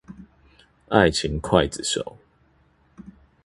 愛情劊子手